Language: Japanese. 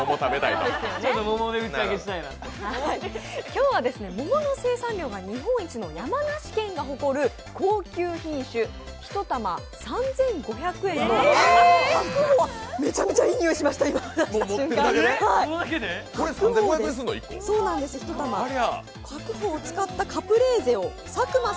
今日は桃の生産量が日本一の山梨県が誇る高級品種、１玉３５００円の白鵬めちゃめちゃいいにおいがしました、持った瞬間。